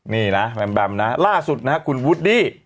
นี่นะแบมแบมนะล่าสุดนะครับคุณวูดดี้